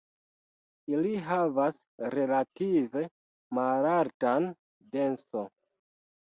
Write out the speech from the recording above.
Ili havas relative malaltan denso.